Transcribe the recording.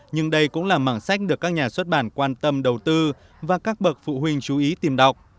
nhưng đây cũng là mảng sách được các nhà xuất bản quan tâm đầu tư và các bậc phụ huynh chú ý tìm đọc